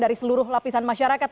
dari seluruh lapisan masyarakat